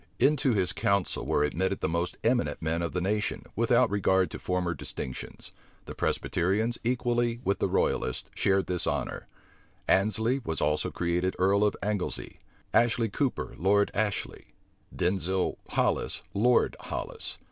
Into his council were admitted the most eminent men of the nation, without regard to former distinctions: the Presbyterians, equally with the royalists, shared this honor. Annesley was also created earl of Anglesey; Ashley Cooper, Lord Ashley; Denzil Hollis, Lord Hollis.